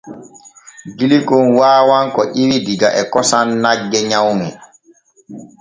Gilkon waawan ko ƴiwi diga e kosam nagge nyawŋe.